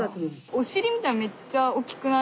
おしりみたいなのめっちゃ大きくない？